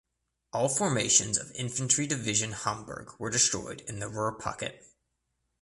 All formations of Infantry Division Hamburg were destroyed in the Ruhr Pocket.